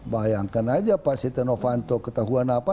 bayangkan aja pak siti novanto ketahuan apa